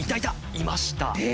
いました。